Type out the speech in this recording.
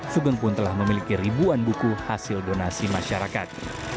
sugeng pun telah memiliki ribuan buku hasil donasi masyarakat